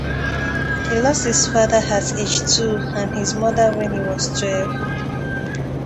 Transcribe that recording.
He lost his father at age two and his mother when he was twelve.